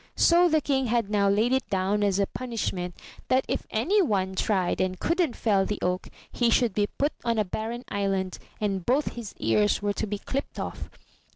So the King had now laid it down as a 242 UP ONE PAIR OF STAIRS punishment, that if any one tried and couldn't fell the oak, he should be put on a barren island, and both his ears were to be clipped off.